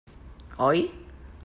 Oi?